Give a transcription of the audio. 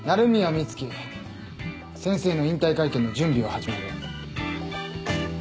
美月先生の引退会見の準備を始める。